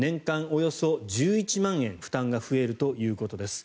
およそ１１万円負担が増えるということです。